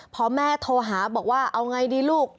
พอแม่โทรหาบอกว่าเอาไงดีลูก